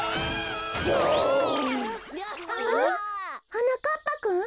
はなかっぱくん？